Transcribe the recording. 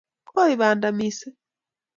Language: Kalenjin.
koi panda missing